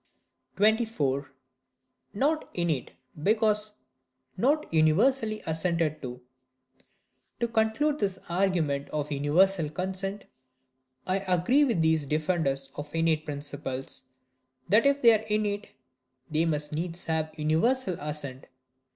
24. Not innate because not universally assented to. To conclude this argument of universal consent, I agree with these defenders of innate principles,—that if they are innate, they must needs have universal assent.